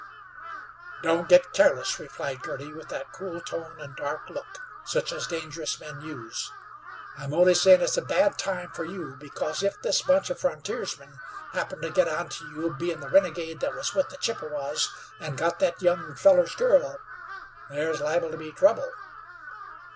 "Don't git careless," replied Girty, with that cool tone and dark look such as dangerous men use. "I'm only sayin' it's a bad time fer you, because if this bunch of frontiersmen happen to git onto you bein' the renegade that was with the Chippewas an' got thet young feller's girl, there's liable to be trouble."